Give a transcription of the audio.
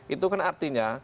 itu kan artinya